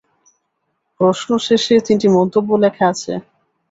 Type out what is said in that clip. প্রশ্ন শেষে তিনটি মন্তব্য লেখা আছে।